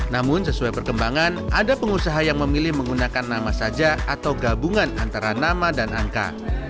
namun sesuai perkembangan ada pengusaha yang memilih menggunakan nama saja atau gabungan antara nama dan angka